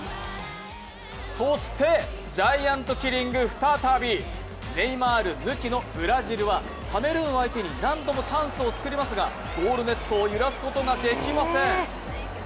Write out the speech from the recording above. そして、ジャイアントキリング再びネイマール抜きのブラジルはカメルーン相手に何度もチャンスを作りますが、ゴールネットを揺らすことができません。